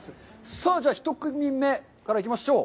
さあ、じゃあ１組目から行きましょう。